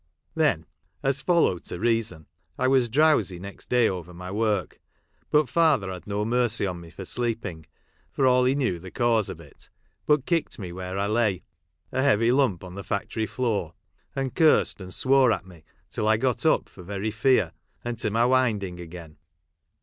Then, as followed to reason, I was drowsy next day, over my work ; but father had no mercy on me for sleeping, for all he knew the cause of it, but kicked me where I lay, a heavy lump on the factory floor, and cursed and swore at me till I got up for very fear, and to my winding again.